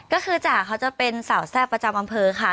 ก็คือจ๋าเขาจะเป็นสาวแซ่บประจำอำเภอค่ะ